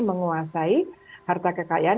menguasai harta kekayaan